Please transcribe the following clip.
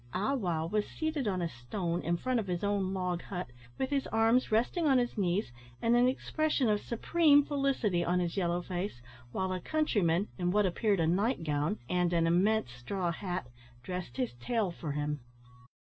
Ah wow was seated on a stone in front of his own log hut, with his arms resting on his knees, and an expression of supreme felicity on his yellow face, while a countryman, in what appeared a night gown, and an immense straw hat, dressed his tail for him.